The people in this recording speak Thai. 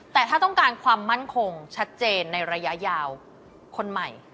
แต่ถ้าต้องการความมั่นคงชัดเจนในระยะยาวคนใหม่